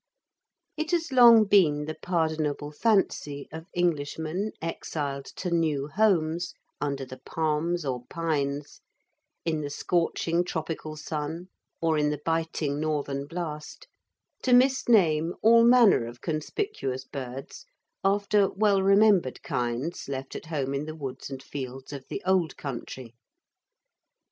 It has long been the pardonable fancy of Englishmen exiled to new homes under the palms or pines, in the scorching tropical sun or in the biting northern blast, to misname all manner of conspicuous birds after well remembered kinds left at home in the woods and fields of the old country.